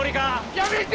やめて！